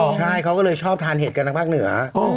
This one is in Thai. ใช่เขาก็เลยชอบทานเห็ดกันทางภาคเหนือ